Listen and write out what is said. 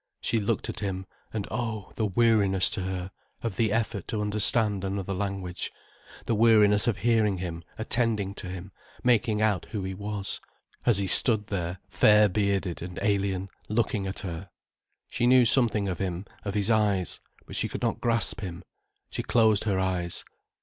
She looked at him, and oh, the weariness to her, of the effort to understand another language, the weariness of hearing him, attending to him, making out who he was, as he stood there fair bearded and alien, looking at her. She knew something of him, of his eyes. But she could not grasp him. She closed her eyes.